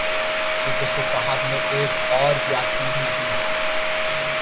Chief justice صاحب نے ایک اور زیادتی بھی کی۔